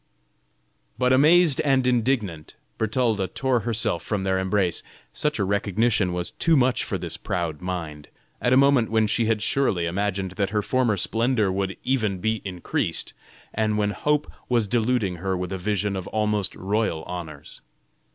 But amazed and indignant, Bertalda tore herself from their embrace. Such a recognition was too much for this proud mind, at a moment when she had surely imagined that her former splendor would even be increased, and when hope was deluding her with a vision of almost royal honors.